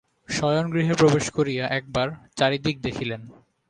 শয়নগৃহে প্রবেশ করিয়া একবার চারিদিক দেখিলেন।